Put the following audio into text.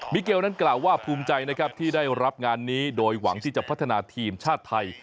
เกลนั้นกล่าวว่าภูมิใจนะครับที่ได้รับงานนี้โดยหวังที่จะพัฒนาทีมชาติไทย